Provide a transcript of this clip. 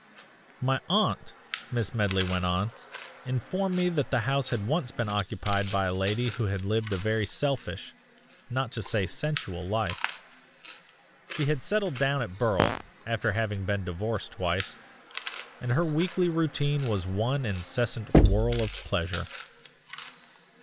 "My aunt," Miss Medley went on, "informed me that the house had once been occupied by a lady who had lived a very selfish not to say sensual life. She had settled down at Burle, after having been divorced twice, and her weekly routine was one incessant whirl of pleasure.